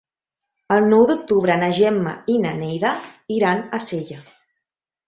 El nou d'octubre na Gemma i na Neida iran a Sella.